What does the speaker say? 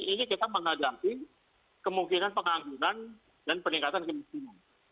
ini kita menghadapi kemungkinan pengangguran dan peningkatan kemiskinan